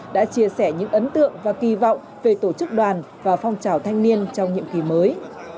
đã chia sẻ những ấn tượng và kỳ vọng về tổ chức đoàn và phong trào thanh niên trong nhiệm kỳ mới